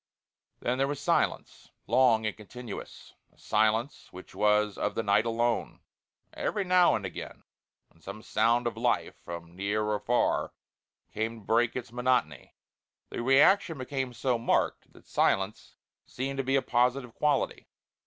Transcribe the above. Then there was silence, long and continuous. A silence which was of the night alone; every now and again when some sound of life from near or far came to break its monotony the reaction became so marked that silence seemed to be a positive quality.